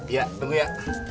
iya tunggu ya